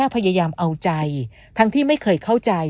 พยายามเอาใจทั้งที่ไม่เคยเข้าใจ